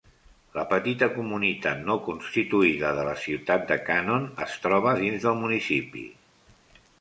La petita comunitat no constituïda de la ciutat de Cannon es troba dins del municipi.